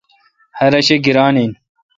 ہر اؘ شہ گیران این۔